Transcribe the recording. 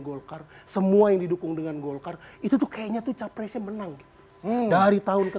strong semua yang didukung dengan sehr itu kayaknya tuh capreses menang dari tahun ke